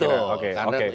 dan itu kan juga sulit